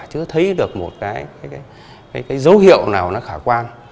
chưa thấy được một cái dấu hiệu nào nó khả quan